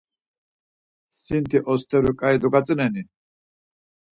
Siti osteru ǩai dogatzoneni?